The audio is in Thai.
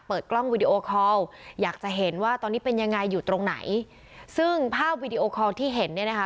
กล้องวีดีโอคอลอยากจะเห็นว่าตอนนี้เป็นยังไงอยู่ตรงไหนซึ่งภาพวีดีโอคอลที่เห็นเนี่ยนะคะ